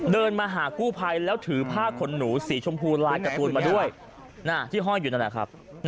เดินมาหากู้ภัยแล้วถือผ้าขนหนูสีชมพูลายการ์ตูนมาด้วยที่ห้อยอยู่นั่นแหละครับ